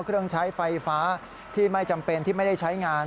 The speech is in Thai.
เครื่องใช้ไฟฟ้าที่ไม่จำเป็นที่ไม่ได้ใช้งาน